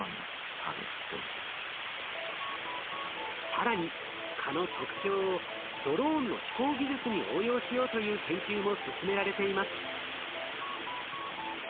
更に蚊の特徴をドローンの飛行技術に応用しようという研究も進められています。